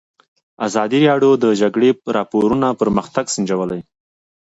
ازادي راډیو د د جګړې راپورونه پرمختګ سنجولی.